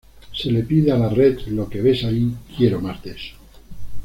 Se le pide a la red: "lo que ves ahí, quiero más de eso".